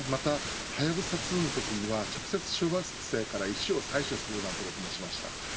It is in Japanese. はやぶさ２のときには直接小惑星から石を採取することもしてました。